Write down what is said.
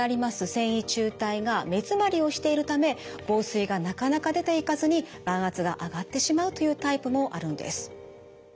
線維柱帯が目づまりをしているため房水がなかなか出ていかずに眼圧が上がってしまうというタイプもあるんです。